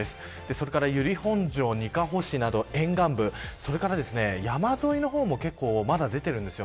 それから由利本荘にかほ市など沿岸部山沿いの方にも結構まだ出ています。